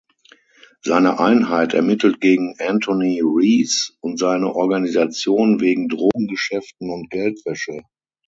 Seine Einheit ermittelt gegen Anthony Reece und seine Organisation wegen Drogengeschäften und Geldwäsche.